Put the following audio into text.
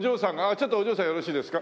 ちょっとお嬢さんよろしいですか？